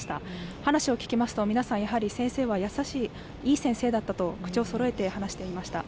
話を聞きますと、やはり先生は優しい、いい先生だったと口をそろえていました。